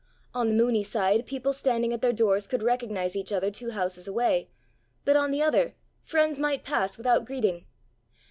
On the moony side people standing at their doors could recognize each other two houses away, but on the other, friends might pass without greeting.